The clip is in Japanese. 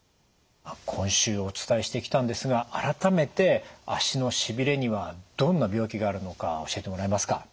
今週お伝えしてきたんですが改めて足のしびれにはどんな病気があるのか教えてもらえますか？